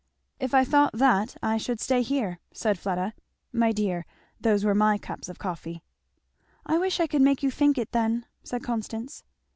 "If I thought that I should stay here," said Fleda. "My dear, those were my cups of coffee!" "I wish I could make you think it then," said Constance.